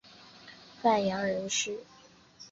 范阳人氏。